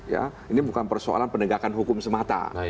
ya ini bukan persoalan penegakan hukum semata